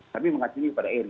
kami mengacuni pada eri